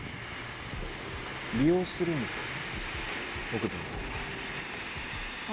利用してるんです奥泉さんを。は？